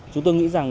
chúng tôi nghĩ rằng